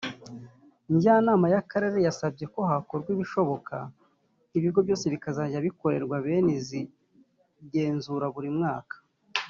Njyanama y’Akarere yasabye ko hakorwa ibishoboka ibigo byose bikazajya bikorerwa bene iri genzura buri mwaka